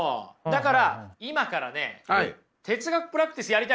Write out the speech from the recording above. だから今からね哲学プラクティスやりたいと思います。